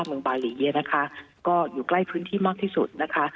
เมืองบาหลีอ่ะนะคะก็อยู่ใกล้พื้นที่มากที่สุดนะคะ